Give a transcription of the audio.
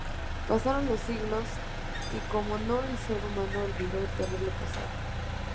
Pasaron los siglos y como no el ser humano olvidó el terrible pasado.